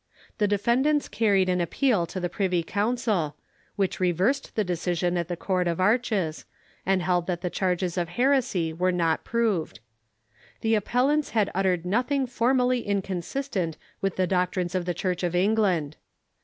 The defendants carried an appeal to the Privy Council, Avhich reversed the decision of the Court of Arches, and held that the chai'ges of heresy Avere not proved. The appellants had uttered nothing formally inconsistent with the doctrines of the Church of England.